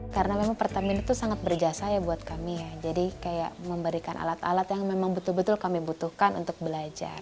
karena memang pertamina itu sangat berjasa ya buat kami ya jadi kayak memberikan alat alat yang memang betul betul kami butuhkan untuk belajar